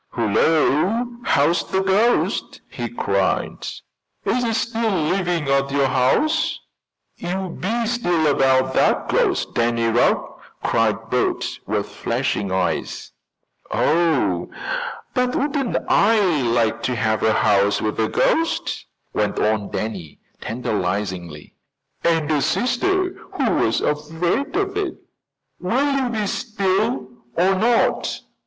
"Hullo! how's the ghost?" he cried. "Is it still living at your house?" "You be still about that ghost, Danny Rugg!" cried Bert, with flashing eyes. "Oh, but wouldn't I like to have a house with a ghost," went on Danny tantalizingly. "And a sister who was afraid of it!" "Will you be still, or not?"